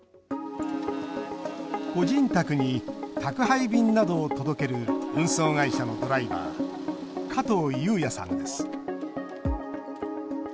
個人宅に宅配便などを届ける運送会社のドライバー加藤優弥さんです。